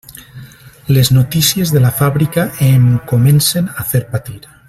Les notícies de la fàbrica em comencen a fer patir.